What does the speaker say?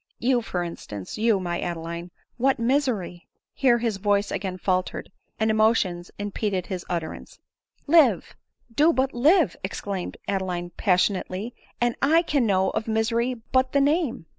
You, for instance, you, my Adeline, what misery —!" Here his voice again faltered, and emotion impeded his utterance, 180 ADELINE MOWBRAY. " Live — do but live," exclaimed Adeline passionately, " and I can know of misery but the name."